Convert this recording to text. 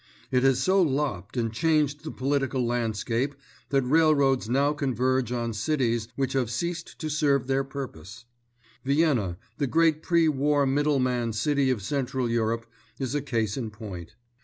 It has so lopped and changed the political landscape that railroads now converge on cities which have ceased to serve their purpose. Vienna, the great pre war middle man city of Central Europe, is a case in point.